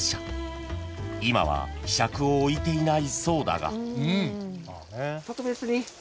［今はひしゃくを置いていないそうだが］